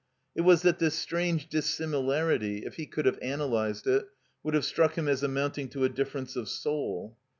It was that this strange dissimilarity, if he could have analyzed it, would have struck him as amounting to a difference of soul.